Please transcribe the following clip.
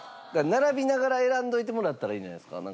並びながら選んでおいてもらったらいいんじゃないですか？